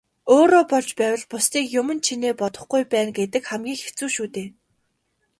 Өөрөө болж байвал бусдыг юман чинээ бодохгүй байна гэдэг хамгийн хэцүү шүү дээ.